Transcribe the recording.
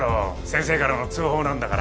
先生からの通報なんだから。